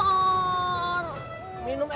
apa yang sudah pasin dicapai